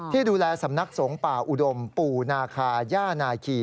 ที่ดูแลสำนักสงฆ์ป่าอุดมปู่นาคาย่านาคี